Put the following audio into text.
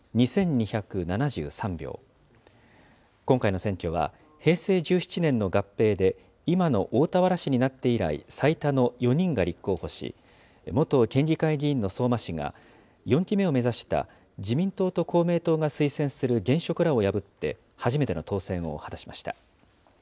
今回の選挙は、平成１７年の合併で今の大田原市になって以来、最多の４人が立候補し、元県議会議員の相馬氏が４期目を目指した自民党と公明党が推薦する現職らを破って初めての当選を果たしました。